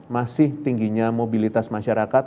masih tingginya mobilitas masyarakat